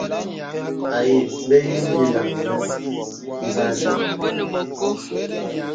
Ayi bə īī nyilaŋ nyə̄ nzâ jaŋ.